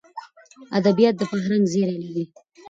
ادبیات د فرهنګ زېری لري.